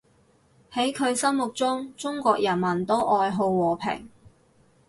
喺佢心目中，中國人民都愛好和平